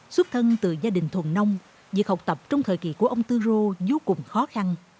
xuất thân từ gia đình thuần nông việc học tập trong thời kỳ của ông tư rô vô cùng khó khăn